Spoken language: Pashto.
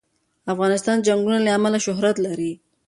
افغانستان د چنګلونه له امله شهرت لري.